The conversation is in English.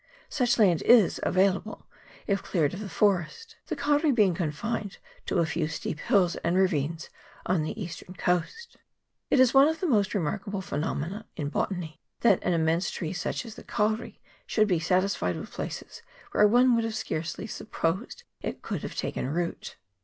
Such land is available, if cleared of the forest ; the kauri being confined to a few steep hills and ravines on the eastern coast. It is one of the most remarkable phenomena in botany, that an im mense tree such as the kauri should be satisfied with places where one would scarcely have sup posed it could have taken root.